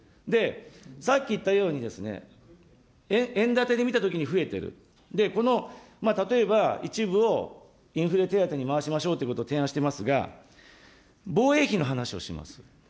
さっき言ったようにですね、円建てで見たときに増えてる、この例えば一部を、インフレ手当に回しましょうということを提案していますが、防衛費の話をします。